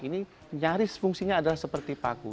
ini nyaris fungsinya adalah seperti paku